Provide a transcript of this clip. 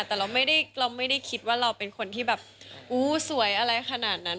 แต่เราไม่ได้เราไม่ได้คิดว่าเราเป็นคนที่แบบอู้สวยอะไรขนาดนั้น